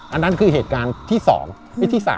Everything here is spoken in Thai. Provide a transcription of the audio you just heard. อันนั้นคือเหตุการณ์ที่๒คลิปที่๓